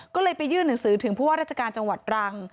ก็เลยไปยื่นหนังสือถึงผู้ว่าราชการจังหวัดตรัง